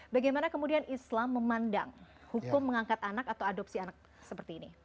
bagaimana kemudian islam memandang hukum mengangkat anak atau adopsi anak seperti ini